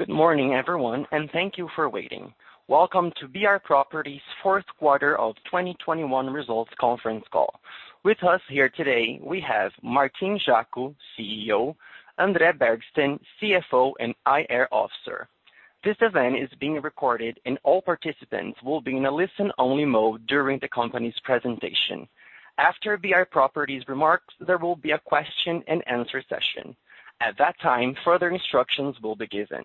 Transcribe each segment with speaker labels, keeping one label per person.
Speaker 1: Good morning everyone, and thank you for waiting. Welcome to BR Properties Q4 of 2021 Results Conference Call. With us here today, we have Martín Jaco, CEO, André Bergstein, CFO and IR officer. This event is being recorded and all participants will be in a listen-only mode during the company's presentation. After BR Properties remarks, there will be a question-and-answer session. At that time, further instructions will be given.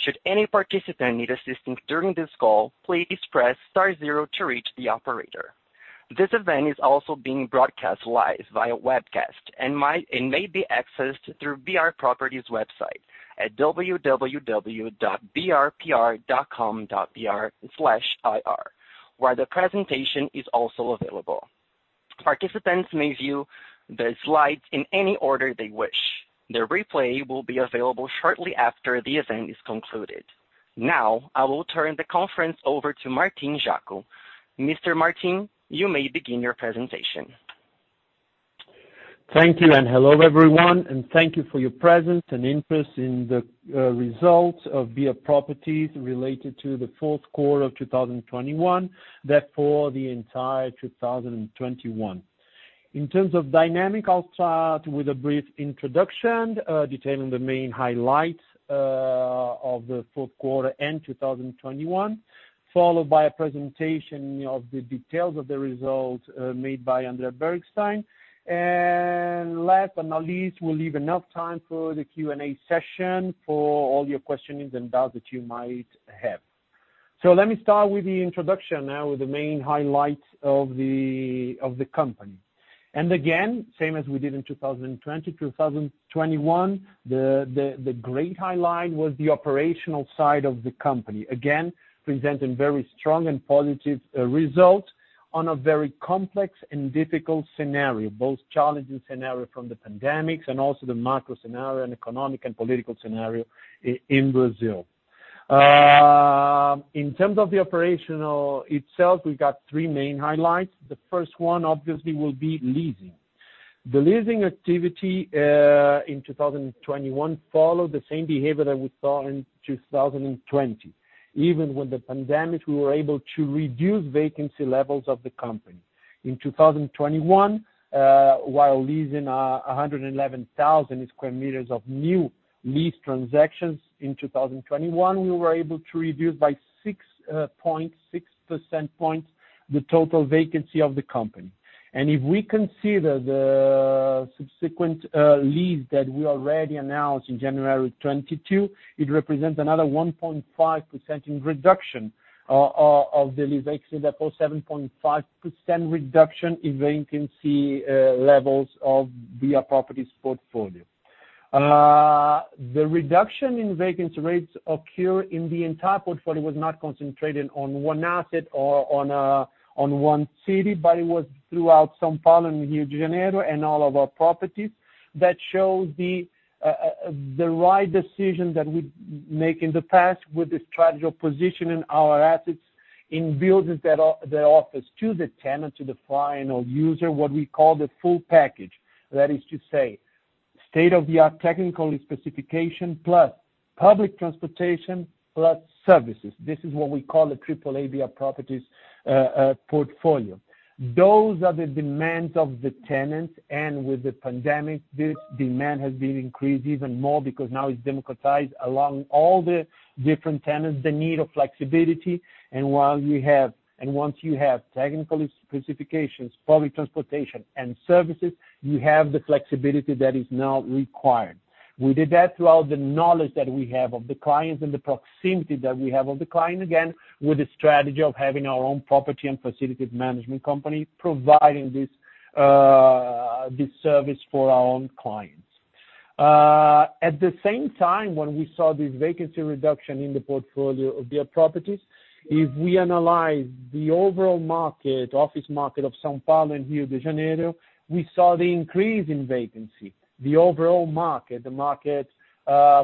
Speaker 1: Should any participant need assistance during this call, please press star zero to reach the operator. This event is also being broadcast live via webcast and may be accessed through BR Properties website at www.brpr.com.br/ir, where the presentation is also available. Participants may view the slides in any order they wish. The replay will be available shortly after the event is concluded. Now, I will turn the conference over to Martín Jaco. Mr. Martín Jaco, you may begin your presentation.
Speaker 2: Thank you and hello everyone, and thank you for your presence and interest in the results of BR Properties related to the Q4 of 2021, therefore the entire 2021. In terms of dynamics, I'll start with a brief introduction detailing the main highlights of the Q4 and 2021, followed by a presentation of the details of the results made by André Bergstein. Last but not least, we'll leave enough time for the Q&A session for all your questionings and doubts that you might have. Let me start with the introduction now with the main highlights of the company. Again, same as we did in 2020, 2021, the great highlight was the operational side of the company. Presenting very strong and positive results on a very complex and difficult scenario, both challenging scenario from the pandemic and also the macro scenario and economic and political scenario in Brazil. In terms of the operational itself, we got three main highlights. The first one obviously will be leasing. The leasing activity in 2021 followed the same behavior that we saw in 2020. Even with the pandemic, we were able to reduce vacancy levels of the company. In 2021, while leasing 111,000 sq m of new lease transactions in 2021, we were able to reduce by 6.6 percentage points the total vacancy of the company. If we consider the subsequent lease that we already announced in January 2022, it represents another 1.5% in reduction of the lease vacancy. Therefore, 7.5% reduction in vacancy levels of BR Properties portfolio. The reduction in vacancy rates occur in the entire portfolio was not concentrated on one asset or on one city, but it was throughout São Paulo and Rio de Janeiro and all of our properties. That shows the right decision that we make in the past with the strategy of positioning our assets in buildings that offers to the tenant, to the final user, what we call the full package. That is to say, state-of-the-art technical specification, plus public transportation, plus services. This is what we call the triple-A BR Properties portfolio. Those are the demands of the tenants, and with the pandemic, this demand has been increased even more because now it's democratized along all the different tenants, the need of flexibility. Once you have technical specifications, public transportation and services, you have the flexibility that is now required. We did that throughout the knowledge that we have of the clients and the proximity that we have of the client, again, with the strategy of having our own property and facilities management company providing this service for our own clients. At the same time when we saw this vacancy reduction in the portfolio of BR Properties, if we analyze the overall market, office market of São Paulo and Rio de Janeiro, we saw the increase in vacancy. The overall market,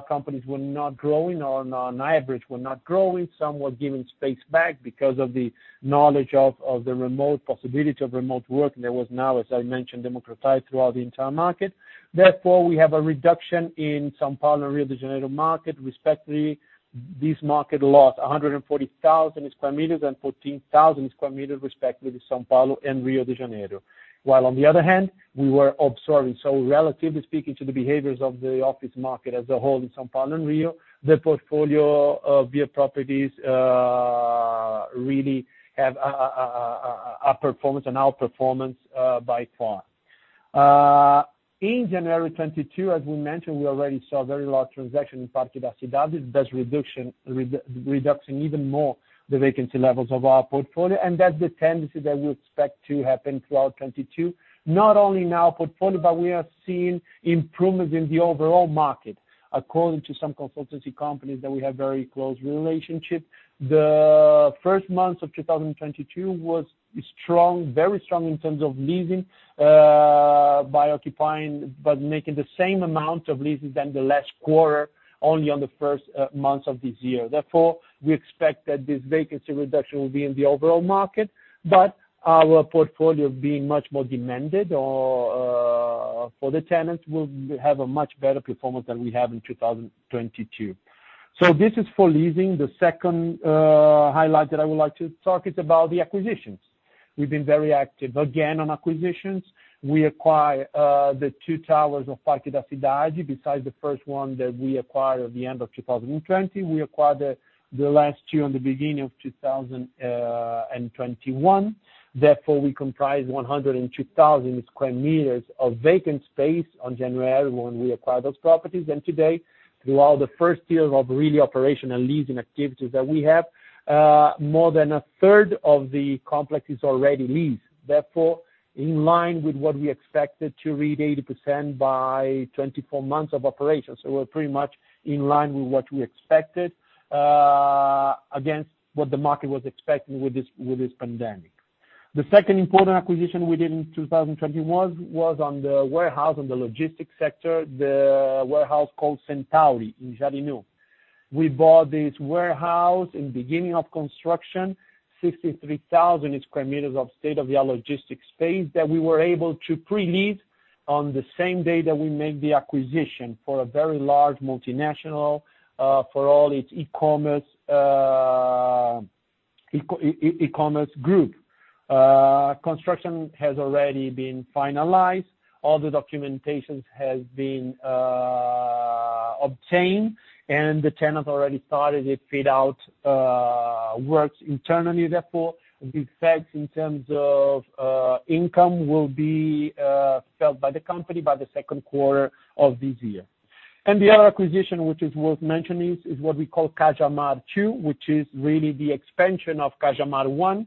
Speaker 2: companies were not growing or on average were not growing. Some were giving space back because of the knowledge of the remote possibility of remote work. There was now, as I mentioned, democratized throughout the entire market. Therefore, we have a reduction in São Paulo and Rio de Janeiro market. Respectively, this market lost 140,000 sq m and 14,000 sq m respectively to São Paulo and Rio de Janeiro. While on the other hand, we were observing, so relatively speaking to the behaviors of the office market as a whole in São Paulo and Rio, the portfolio of BR Properties really have a performance and outperformance by far. In January 2022, as we mentioned, we already saw a very large transaction in Parque da Cidade. That's reduction even more the vacancy levels of our portfolio, and that's the tendency that we expect to happen throughout 2022. Not only in our portfolio, but we are seeing improvements in the overall market. According to some consultancy companies that we have very close relationship, the first months of 2022 was strong, very strong in terms of leasing by occupying but making the same amount of leases than the last quarter only on the first months of this year. Therefore, we expect that this vacancy reduction will be in the overall market, but our portfolio being much more demanded or for the tenants, we'll have a much better performance than we have in 2022. This is for leasing. The second highlight that I would like to talk is about the acquisitions. We've been very active, again, on acquisitions. We acquire the 2 towers of Parque da Cidade. Besides the first one that we acquired at the end of 2020, we acquired the last two in the beginning of 2021. Therefore, we comprise 102,000 sq m of vacant space on January when we acquired those properties. Today, throughout the first year of really operational leasing activities that we have, more than a third of the complex is already leased. Therefore, in line with what we expected to reach 80% by 24 months of operations. We're pretty much in line with what we expected, against what the market was expecting with this pandemic. The second important acquisition we did in 2021 was in the warehouse, in the logistics sector, the warehouse called Centauri in Jarinu. We bought this warehouse in the beginning of construction, 63,000 sq m of state-of-the-art logistics space that we were able to pre-lease on the same day that we made the acquisition for a very large multinational for all its e-commerce group. Construction has already been finalized. All the documentation has been obtained, and the tenant already started the fit-out works internally. Therefore, these effects in terms of income will be felt by the company by the Q2 of this year. The other acquisition, which is worth mentioning, is what we call Cajamar Two, which is really the expansion of Cajamar One. Cajamar One,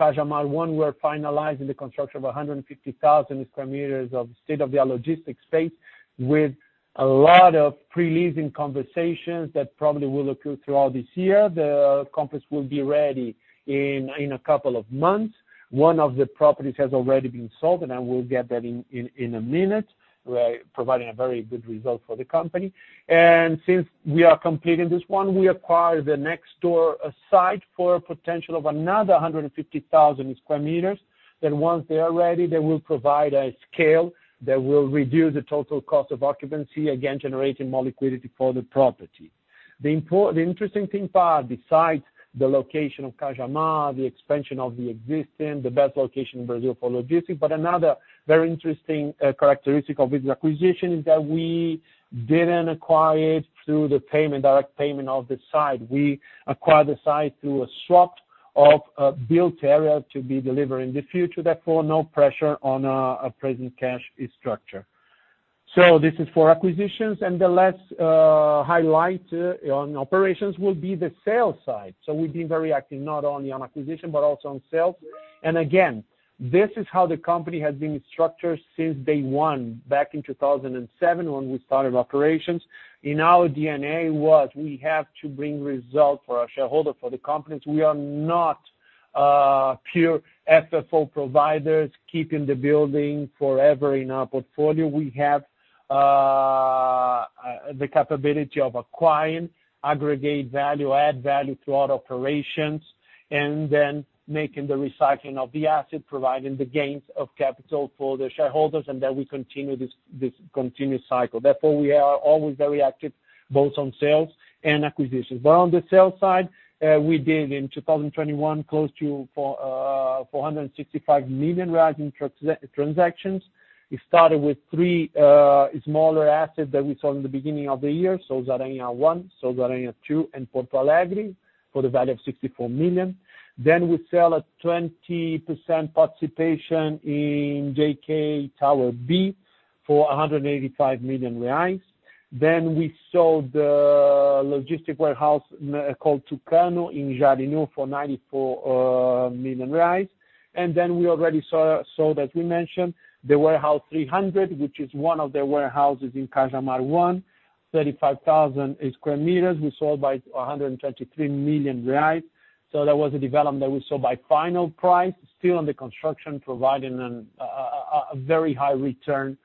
Speaker 2: we're finalizing the construction of 150,000 sq m of state-of-the-art logistics space with a lot of pre-leasing conversations that probably will occur throughout this year. The complex will be ready in a couple of months. One of the properties has already been sold, and I will get that in a minute. We're providing a very good result for the company. Since we are completing this one, we acquired the next-door site for a potential of another 150,000 sq m. Once they are ready, they will provide a scale that will reduce the total cost of occupancy, again, generating more liquidity for the property. The interesting thing about, besides the location of Cajamar, the expansion of the existing, the best location in Brazil for logistics, but another very interesting characteristic of this acquisition is that we didn't acquire it through the payment, direct payment of the site. We acquired the site through a swap of a built area to be delivered in the future. Therefore, no pressure on a present cash structure. This is for acquisitions. The last highlight on operations will be the sales side. We've been very active, not only on acquisition, but also on sales. Again, this is how the company has been structured since day one, back in 2007 when we started operations. In our DNA was we have to bring results for our shareholder, for the companies. We are not pure FFO providers keeping the building forever in our portfolio. We have the capability of acquiring, aggregate value, add value to our operations, and then making the recycling of the asset, providing the capital gains for the shareholders, and then we continue this continuous cycle. Therefore, we are always very active both on sales and acquisitions. On the sales side, we did in 2021 close to 465 million reais in transactions. We started with three smaller assets that we sold in the beginning of the year, Souza Aranha I, Souza Aranha II and Porto Alegre for the value of 64 million. We sell a 20% participation in JK Tower B for 185 million reais. We sold the logistics warehouse called Tucano in Jardim for 94 million. We already sold, as we mentioned, Warehouse 300, which is one of the warehouses in Cajamar One, 35,000 sq m. We sold for 123 million reais. That was a development that we sold at final price, still under construction, providing a very high return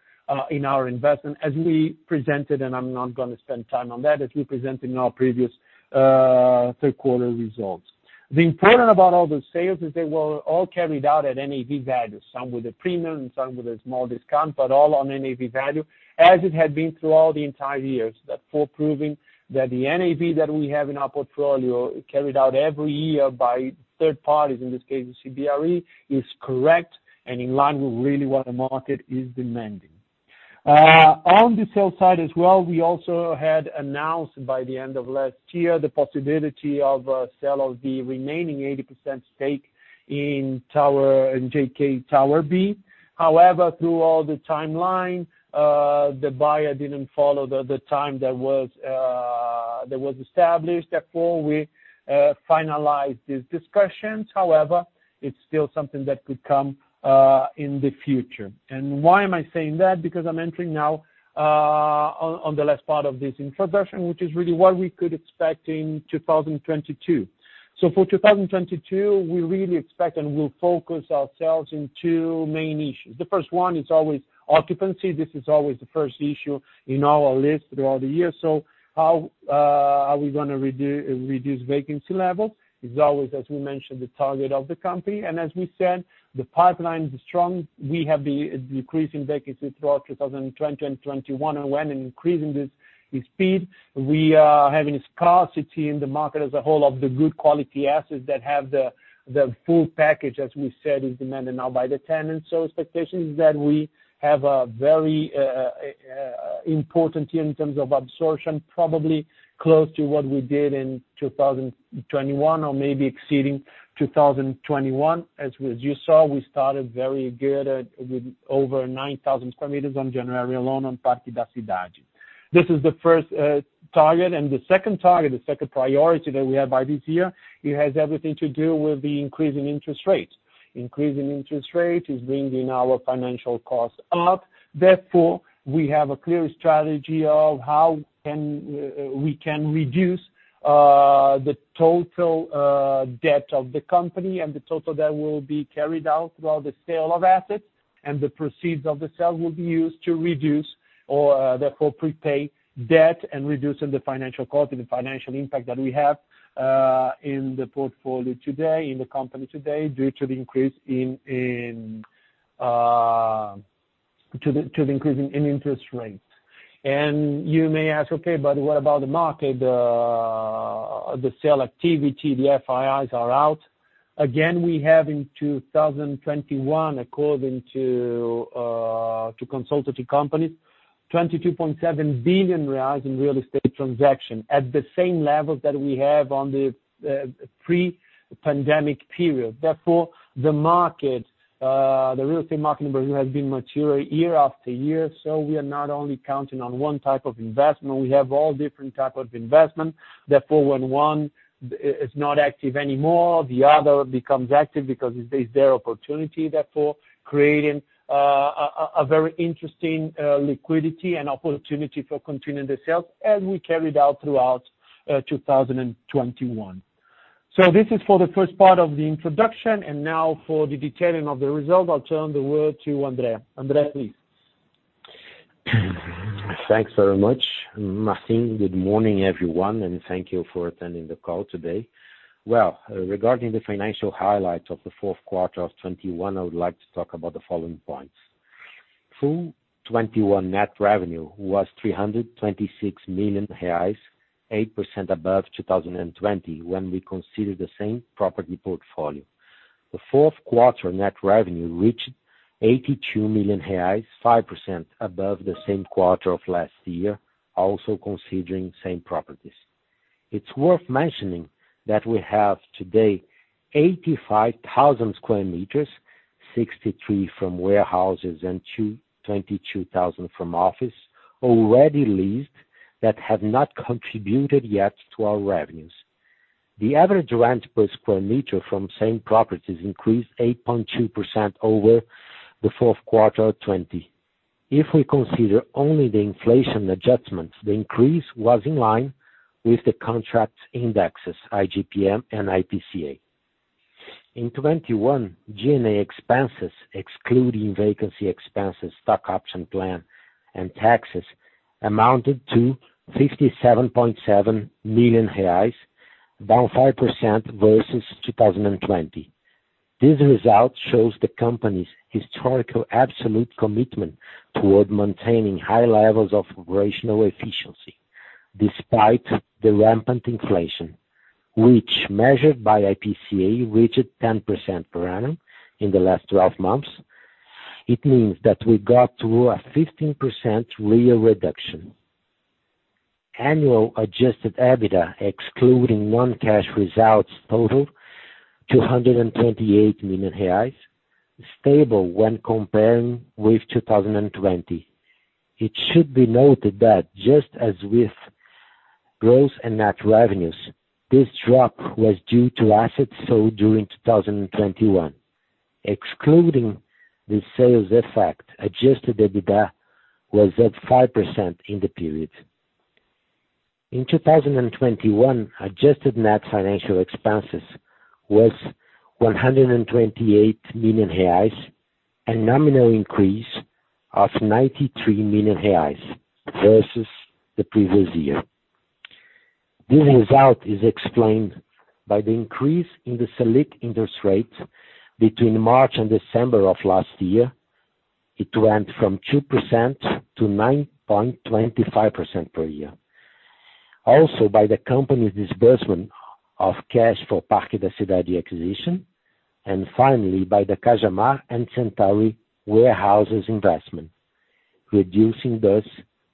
Speaker 2: in our investment as we presented, and I'm not gonna spend time on that, as we presented in our previous Q3 results. The important thing about all those sales is they were all carried out at NAV value, some with a premium and some with a small discount, but all on NAV value as it had been throughout the entire years. Therefore, proving that the NAV that we have in our portfolio carried out every year by third parties, in this case CBRE, is correct and in line with really what the market is demanding. On the sales side as well, we also had announced by the end of last year the possibility of a sale of the remaining 80% stake in JK Tower B. However, through all the timeline, the buyer didn't follow the time that was established. Therefore, we finalized these discussions. However, it's still something that could come in the future. Why am I saying that? Because I'm entering now on the last part of this introduction, which is really what we could expect in 2022. For 2022, we really expect and we'll focus ourselves in two main issues. The first one is always occupancy. This is always the first issue in our list throughout the year. How are we gonna reduce vacancy levels? It's always, as we mentioned, the target of the company. As we said, the pipeline is strong. We have been decreasing vacancy throughout 2020 and 2021 and when increasing this speed. We are having a scarcity in the market as a whole of the good quality assets that have the full package, as we said, is demanded now by the tenants. Expectation is that we have a very important year in terms of absorption, probably close to what we did in 2021 or maybe exceeding 2021. As you saw, we started very good at, with over 9,000 sq m on January alone on Parque da Cidade. This is the first target. The second target, the second priority that we have by this year has everything to do with the increase in interest rates. The increase in interest rates is bringing our financial costs up. Therefore, we have a clear strategy of how we can reduce the total debt of the company and the total debt will be carried out while the sale of assets and the proceeds of the sale will be used to reduce or therefore prepay debt and reducing the financial cost and the financial impact that we have in the portfolio today, in the company today, due to the increase in interest rates. You may ask, okay, but what about the market? The sale activity, the FIIs are out. Again, we have in 2021, according to to consultancy companies, 22.7 billion reais in real estate transaction at the same level that we have on the pre-pandemic period. Therefore, the market, the real estate market in Brazil has been mature year after year, so we are not only counting on one type of investment. We have all different type of investment. Therefore, when one is not active anymore, the other becomes active because it is their opportunity, therefore creating a very interesting liquidity and opportunity for continuing the sales as we carried out throughout 2021. This is for the first part of the introduction. Now for the detailing of the results, I'll turn the word to André. André, please.
Speaker 3: Thanks very much, Martín. Good morning, everyone, and thank you for attending the call today. Regarding the financial highlights of the Q4 of 2021, I would like to talk about the following points. Full 2021 net revenue was 326 million reais, 8% above 2020 when we consider the same property portfolio. The Q4 net revenue reached 82 million reais, 5% above the same quarter of last year, also considering same properties. It's worth mentioning that we have today 85,000 sq m, 63,000 from warehouses and 22,000 from office, already leased that have not contributed yet to our revenues. The average rent per square meter from same properties increased 8.2% over the Q4 of 2020. If we consider only the inflation adjustments, the increase was in line with the contract indexes, IGPM and IPCA. In 2021, G&A expenses excluding vacancy expenses, stock option plan and taxes amounted to 57.7 million reais, down 5% versus 2020. This result shows the company's historical absolute commitment toward maintaining high levels of operational efficiency despite the rampant inflation, which, measured by IPCA, reached 10% per annum in the last twelve months. It means that we got to a 15% real reduction. Annual adjusted EBITDA excluding non-cash results totaled 228 million reais, stable when comparing with 2020. It should be noted that just as with gross and net revenues, this drop was due to assets sold during 2021. Excluding the sales effect, adjusted EBITDA was up 5% in the period. 2021, adjusted net financial expenses was 128 million reais, a nominal increase of 93 million reais versus the previous year. This result is explained by the increase in the Selic interest rate between March and December of last year. It went from 2% to 9.25% per year. Also, by the company's disbursement of cash for Parque da Cidade acquisition, and finally by the Cajamar and Centauri warehouses investment, reducing thus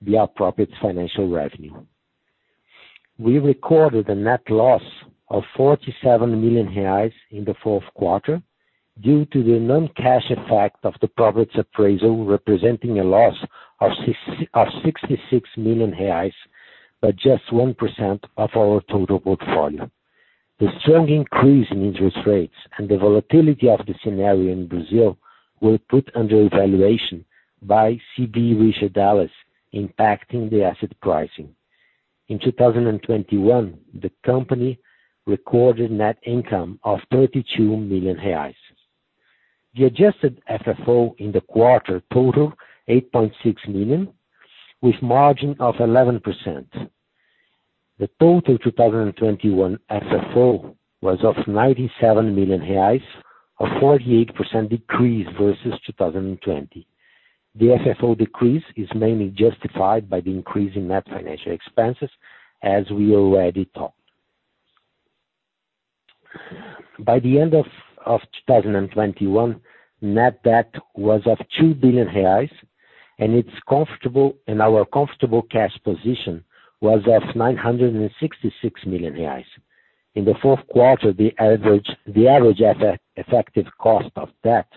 Speaker 3: the appropriate financial revenue. We recorded a net loss of 47 million reais in the Q4 due to the non-cash effect of the property's appraisal, representing a loss of 66 million reais, but just 1% of our total portfolio. The strong increase in interest rates and the volatility of the scenario in Brazil were put under evaluation by CB Richard Ellis, impacting the asset pricing. In 2021, the company recorded net income of 32 million reais. The adjusted FFO in the quarter totaled 8.6 million, with margin of 11%. The total 2021 FFO was of 97 million reais, a 48% decrease versus 2020. The FFO decrease is mainly justified by the increase in net financial expenses, as we already talked. By the end of 2021, net debt was of 2 billion reais, and our comfortable cash position was at 966 million reais. In the Q4, the average effective cost of debt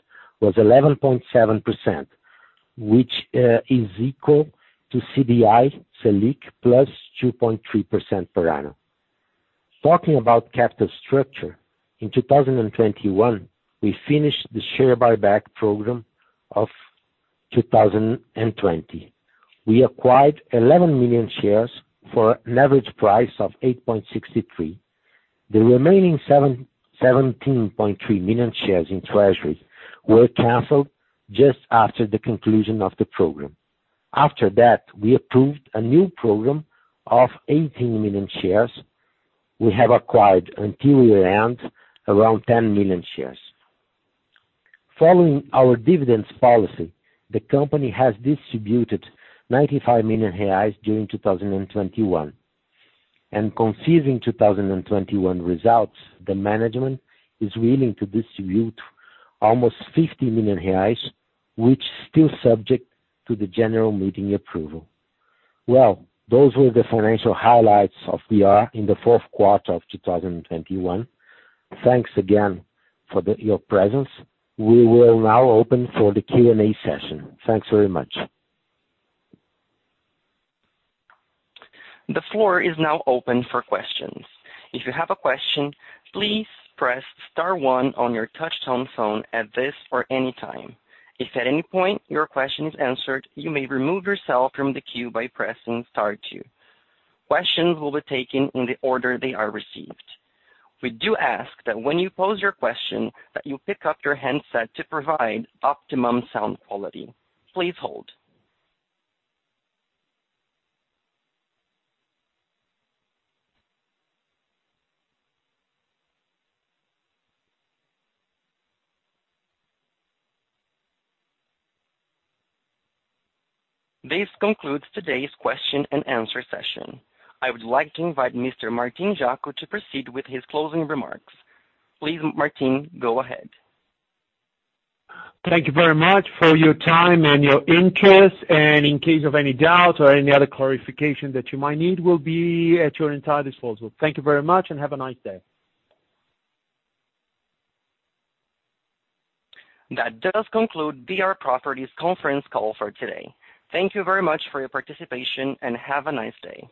Speaker 3: was 11.7%, which is equal to CDI/Selic plus 2.3% per annum. Talking about capital structure, in 2021, we finished the share buyback program of 2020. We acquired 11 million shares for an average price of 8.63. The remaining 17.3 million shares in treasury were canceled just after the conclusion of the program. After that, we approved a new program of 18 million shares. We have acquired until year-end around 10 million shares. Following our dividends policy, the company has distributed 95 million reais during 2021. Considering 2021 results, the management is willing to distribute almost 50 million reais, which still subject to the general meeting approval. Well, those were the financial highlights of BR in the Q4 of 2021. Thanks again for your presence. We will now open for the Q&A session. Thanks very much.
Speaker 1: The floor is now open for questions. If you have a question, please press star one on your touch tone phone at this or any time. If at any point your question is answered, you may remove yourself from the queue by pressing star two. Questions will be taken in the order they are received. We do ask that when you pose your question that you pick up your handset to provide optimum sound quality. Please hold. This concludes today's question and answer session. I would like to invite Mr. Martín Jaco to proceed with his closing remarks. Please, Martín, go ahead.
Speaker 2: Thank you very much for your time and your interest. In case of any doubt or any other clarification that you might need, we'll be at your entire disposal. Thank you very much and have a nice day.
Speaker 1: That does conclude BR Properties conference call for today. Thank you very much for your participation, and have a nice day.